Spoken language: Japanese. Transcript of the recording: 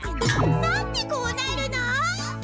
何でこうなるの？